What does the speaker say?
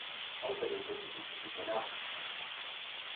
Außerdem widmete sie sich der Nachwuchsarbeit.